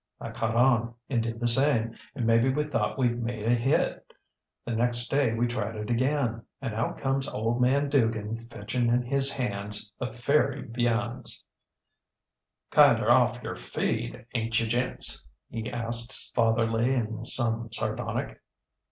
I caught on and did the same, and maybe we thought weŌĆÖd made a hit! The next day we tried it again, and out comes old man Dugan fetching in his hands the fairy viands. ŌĆ£ŌĆśKinder off yer feed, ainŌĆÖt ye, gents? ŌĆÖ he asks, fatherly and some sardonic.